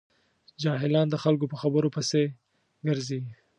جاهلان د خلکو په خبرو پسې ګرځي.